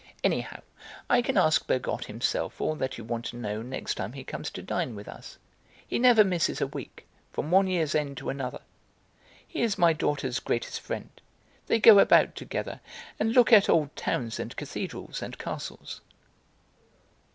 Anyhow, I can ask Bergotte himself all that you want to know next time he comes to dine with us. He never misses a week, from one year's end to another. He is my daughter's greatest friend. They go about together, and look at old towns and cathedrals and castles."